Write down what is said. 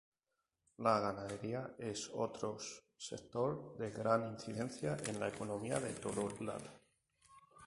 La ganadería es otros sector de gran incidencia en la economía de Totoral.